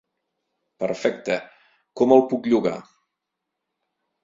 Perfecte, com el puc llogar?